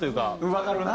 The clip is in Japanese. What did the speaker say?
わかるな。